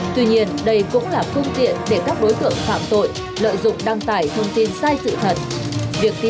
tuy nhiên đây cũng là phương tiện để các đối tượng phạm tội lợi dụng đăng tải thông tin sai sự thật